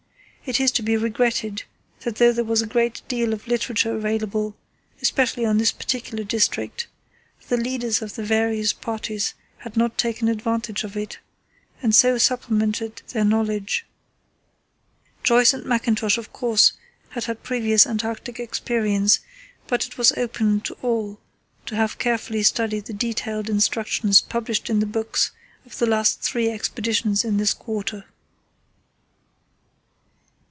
It is to be regretted that though there was a good deal of literature available, especially on this particular district, the leaders of the various parties had not taken advantage of it and so supplemented their knowledge. Joyce and Mackintosh of course had had previous Antarctic experience: but it was open to all to have carefully studied the detailed instructions published in the books of the three last Expeditions in this quarter.